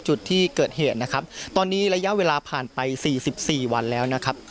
จุดที่เกิดเหตุนะครับตอนนี้ระยะเวลาผ่านไป๔๔วันแล้วนะครับ